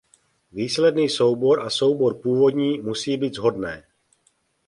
Výsledný soubor a soubor původní musí být shodné.